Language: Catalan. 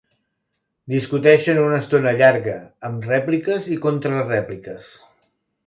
Discuteixen una estona llarga, amb rèpliques i contrarèpliques.